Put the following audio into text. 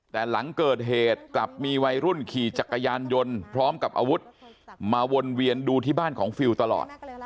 แต่หลังเกิดเหตุกลับมีวัยรุ่นขี่จักรยานยนต์พร้อมกับอาวุธมาวนเวียนดูที่บ้านของฟิลตลอด